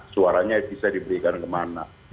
suaranya bisa diberikan kemana